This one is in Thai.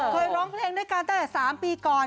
ร้องเพลงด้วยกันตั้งแต่๓ปีก่อน